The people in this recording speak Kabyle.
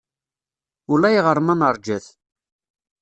Ulayɣer ma neṛja-t.